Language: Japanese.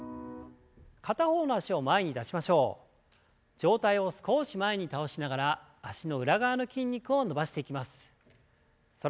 上体を少し前に倒しながら脚の裏側の筋肉を伸ばしていきます。